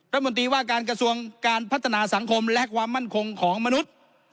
รัฐมนตรีว่าการกระทรวงการพัฒนาสังคมและความมั่นคงของมนุษย์